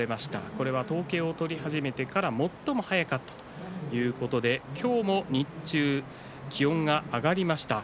これは統計を取り始めてから最も早かったということで今日も日中気温が上がりました。